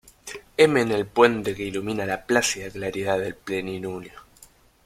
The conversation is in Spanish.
heme en el puente que ilumina la plácida claridad del plenilunio.